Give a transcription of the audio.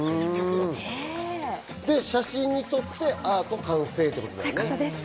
写真に撮って、アート完成ということですね。